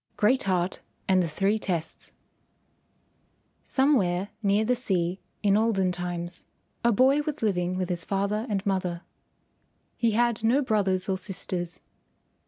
GREAT HEART AND THE THREE TESTS Somewhere near the sea in olden times a boy was living with his father and mother. He had no brothers or sisters.